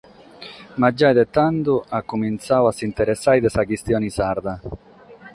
Ma giai dae tando at cumintzadu a s’interessare de sa chistione sarda.